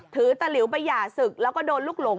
ถือตะลิวประหย่าศึกแล้วก็โดนลุกหลง